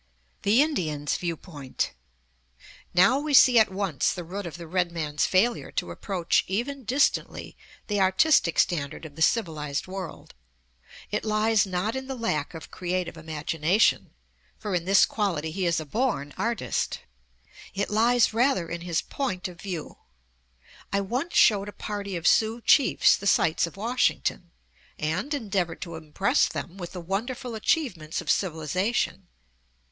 THE INDIAN'S VIEWPOINT Now we see at once the root of the red man's failure to approach even distantly the artistic standard of the civilized world. It lies not in the lack of creative imagination for in this quality he is a born artist it lies rather in his point of view. I once showed a party of Sioux chiefs the sights of Washington, and endeavored to impress them with the wonderful achievements of civilization.